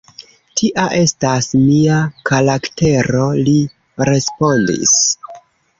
Tia estas mia karaktero, li respondis.